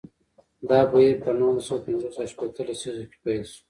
دا بهیر په نولس سوه پنځوس او شپیته لسیزو کې پیل شو.